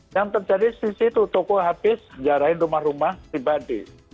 yang terjadi di situ toko habis menjarahin rumah rumah pribadi